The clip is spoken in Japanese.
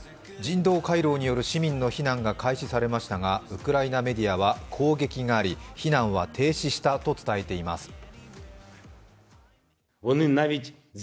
人道回廊による市民の避難が開始されましたがウクライナメディアは攻撃があり避難は停止したと伝えています。